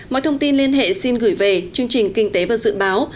mọi thông tin liên hệ xin gửi về chương trình kinh tế và dự báo